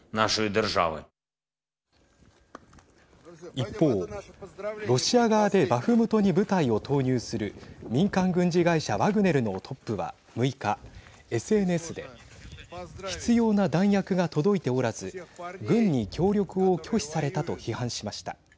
一方、ロシア側でバフムトに部隊を投入する民間軍事会社ワグネルのトップは６日、ＳＮＳで必要な弾薬が届いておらず軍に協力を拒否されたと批判しました。